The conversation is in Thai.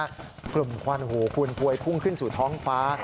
คนพลุขวัญหูคุณถ้วยพุ่งขึ้นสู่ท้องฟ้า